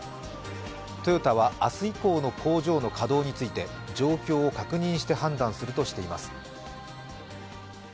トヨタは明日以降の工場の稼働について状況を確認して判断するとしています。